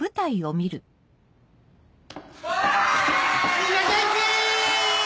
みんな元気？